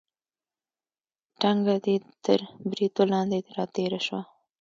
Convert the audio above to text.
ټنګه دې تر بریتو لاندې راتېره شوه.